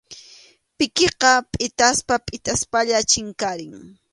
Pikiqa pʼitaspa pʼitaspalla chinkarin.